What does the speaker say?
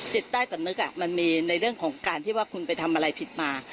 จิตใต้สำนึกมันมีในเรื่องของการที่ว่าคุณไปทำอะไรผิดมา